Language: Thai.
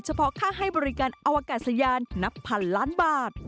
เพาะค่าให้บริการอวกาศยานนับพันล้านบาท